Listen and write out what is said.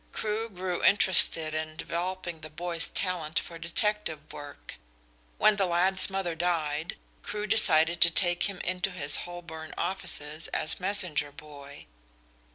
Crewe grew interested in developing the boy's talent for detective work. When the lad's mother died Crewe decided to take him into his Holborn offices as messenger boy.